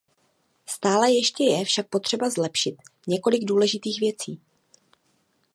Stále ještě je však potřeba zlepšit několik důležitých věcí.